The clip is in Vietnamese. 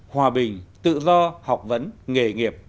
hòa bình tự do học vấn nghề nghiệp